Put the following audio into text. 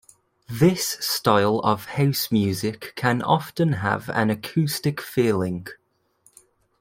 This style of house music can often have an acoustic feeling.